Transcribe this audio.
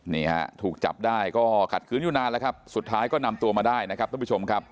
นี่ฮะถูกจับได้ก็ขัดคืนอยู่นานแล้วครับสุดท้ายก็นำตัวมาได้นะครับท่านผู้ชมครับ